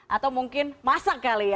atau mungkin masak kali ya